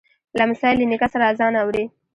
لمسی له نیکه سره آذان اوري.